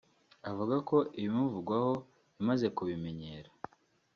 Avuga ko ibimuvugwaho yamaze kubimenyera